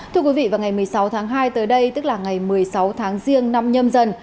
thưa quý vị vào ngày một mươi sáu tháng hai tới đây tức là ngày một mươi sáu tháng riêng năm nhâm dần